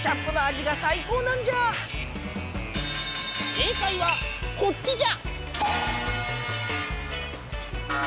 正解はこっちじゃ！